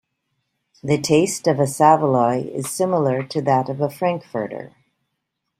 The taste of a saveloy is similar to that of a frankfurter.